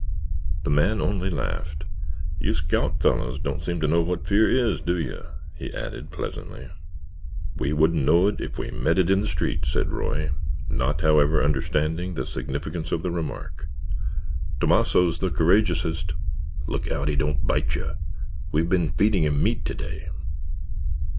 The man only laughed. "You scout fellows don't seem to know what fear is, do you?" he added, pleasantly. "We wouldn't know it if we met it in the street," said Roy, not, however, understanding the significance of the remark. "Tomasso's the courageousest—look out he don't bite you! We've been feeding him meat today."